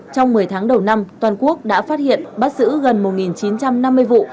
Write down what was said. trong một mươi tháng đầu năm toàn quốc đã phát hiện bắt giữ gần một chín trăm năm mươi vụ